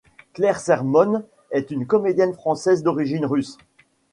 Claire Sermonne est une comédienne française d'origine russe.